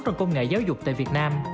trong công nghệ giáo dục tại việt nam